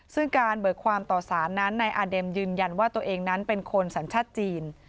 ซึ่งการเบิกความต่อสารนั้นนายอาเด็มยืนยันว่าตัวเองนั้นเป็นคนสัญชาติจีน